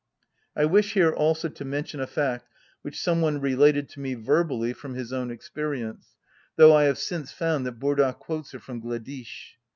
I wish here also to mention a fact which some one related to me verbally from his own experience, though I have since found that Burdach quotes it from Gleditsch.